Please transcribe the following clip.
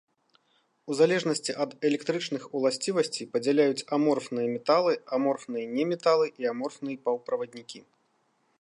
У залежнасці ад электрычных уласцівасцей, падзяляюць аморфныя металы, аморфныя неметалы і аморфныя паўправаднікі.